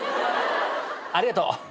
ありがとう。